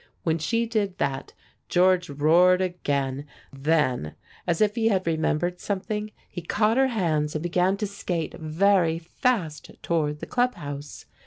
When she did that, George roared again; then, as if he had remembered something, he caught her hands and began to skate very fast toward the club house.